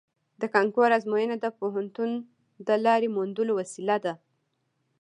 د کانکور ازموینه د پوهنتون د لارې موندلو وسیله ده